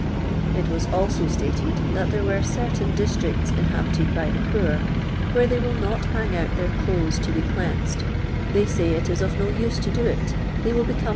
It wn.< also st ited that tlwre wero "certiiin dis tricts inlinbited hy the poor^ where they will not han<; out thuir clothes to bech aniKHl: they say it is of no use to do it, tiiiy will becomi?